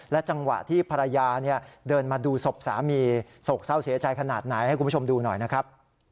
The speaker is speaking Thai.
จังหวะที่ภรรยาเดินมาดูศพสามีโศกเศร้าเสียใจขนาดไหนให้คุณผู้ชมดูหน่อยนะครับ